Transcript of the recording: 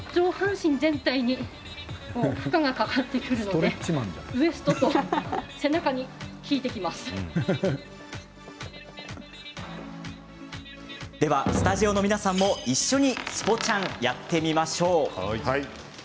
ではスタジオの皆さんも一緒にスポチャンやってみましょう。